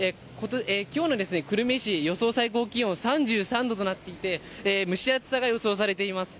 きょうの久留米市、予想最高気温３３度となっていて、蒸し暑さが予想されています。